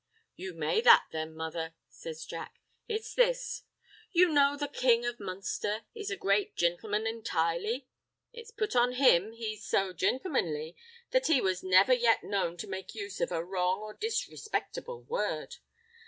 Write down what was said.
"You may that, then, mother," says Jack. "It's this: You know the King of Munsther is a great jintleman entirely. It's put on him, he's so jintlemanly, that he was niver yet known to make use of a wrong or disrespectable word.